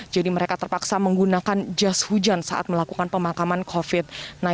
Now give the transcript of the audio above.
jadi mereka terpaksa menggunakan jas hujan saat melakukan pemakaman covid sembilan belas